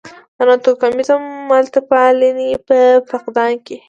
ناتوکمیزې ملتپالنې په فقدان کې.